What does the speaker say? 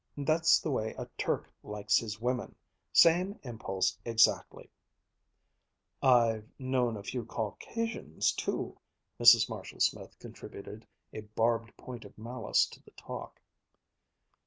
That's the way a Turk likes his women same impulse exactly," "I've known a few Caucasians too ...," Mrs. Marshall Smith contributed a barbed point of malice to the talk.